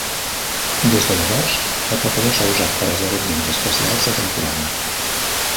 Des de llavors, el pavelló s'ha usat per a esdeveniments especials de temporada.